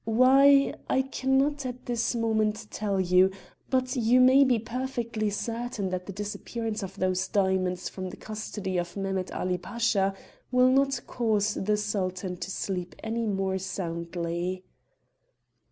Why? I cannot at this moment tell you, but you may be perfectly certain that the disappearance of those diamonds from the custody of Mehemet Ali Pasha will not cause the Sultan to sleep any more soundly."